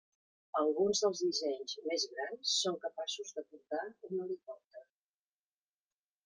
Alguns dels dissenys més grans són capaços de portar un helicòpter.